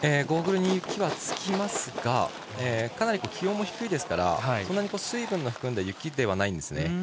ゴーグルにはつきますがかなり気温も低いですからそんなに水分を含んだ雪ではないんですね。